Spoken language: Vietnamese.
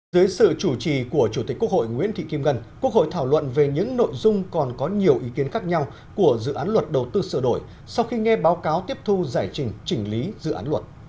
dưới sự chủ trì của chủ tịch quốc hội nguyễn thị kim ngân quốc hội thảo luận về những nội dung còn có nhiều ý kiến khác nhau của dự án luật đầu tư sửa đổi sau khi nghe báo cáo tiếp thu giải trình chỉnh lý dự án luật